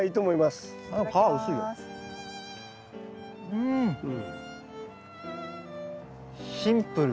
うんシンプル。